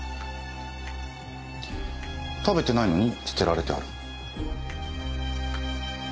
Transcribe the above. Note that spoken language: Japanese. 食べてないのに捨てられてある。